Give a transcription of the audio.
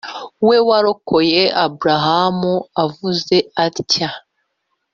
we warokoye Abrahamu, avuze atya: